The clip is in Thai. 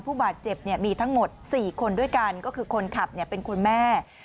ผู้บาดเจ็บมีทั้งหมด๔คนด้วยกันก็คือคนขับเป็นคุณแม่